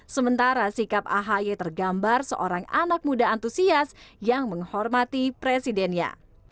sementara sikap ahy tergambar seorang anak muda antusias yang menghormati presidennya